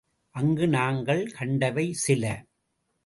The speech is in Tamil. அங்கு நாங்கள் கண்டவை சில.